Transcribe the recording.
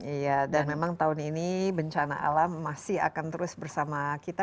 iya dan memang tahun ini bencana alam masih akan terus bersama kita